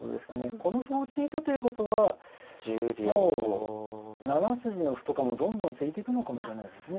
この歩を突いたということはもう７筋の歩とかもどんどん突いてくのかもしれないですね。